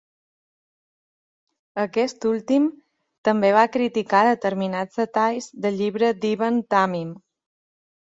Aquest últim també va criticar determinats detalls del llibre d'Ibn Tamim.